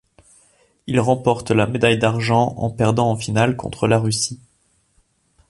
Il remporte la médaille d'argent en perdant en finale contre la Russie.